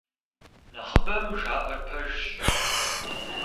Нэхъыбэм жаӀэр пэжщ.